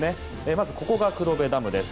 まず、ここが黒部ダムです。